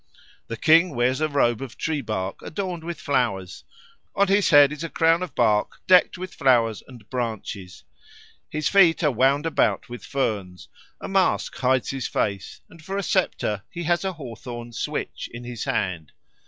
The King wears a robe of tree bark adorned with flowers, on his head is a crown of bark decked with flowers and branches, his feet are wound about with ferns, a mask hides his face, and for a sceptre he has a hawthorn switch in his hand.